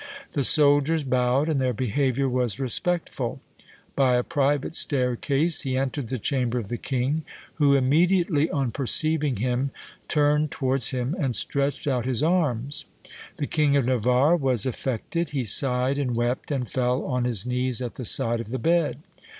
The soldiers bowed, and their behaviour was respectful. By a private staircase he entered the chamber of the king, who, immediately on perceiving him, turned towards him, and stretched out his arms. The King of Navarre was affected; he sighed and wept, and fell on his knees at the side of the bed.